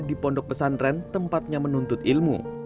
di pondok pesantren tempatnya menuntut ilmu